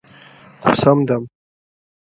o خــو ســــمـدم ـ